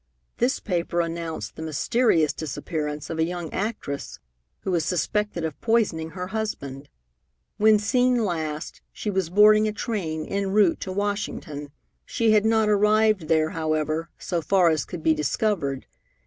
This paper announced the mysterious disappearance of a young actress who was suspected of poisoning her husband. When seen last, she was boarding a train en route to Washington. She had not arrived there, however, so far as could be discovered.